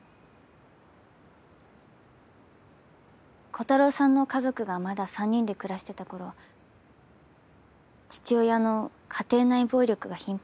コタローさんの家族がまだ３人で暮らしてた頃父親の家庭内暴力が頻繁にあって。